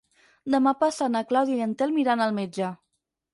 Demà passat na Clàudia i en Telm iran al metge.